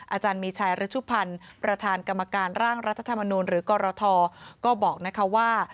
อาจารย์มีชัยฤชุพันธ์ประธานกรรมการร่างรัฐธรรมนูลหรือกรทก็บอกนะคะว่า